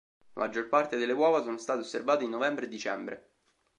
La maggior parte delle uova sono state osservate in novembre e dicembre.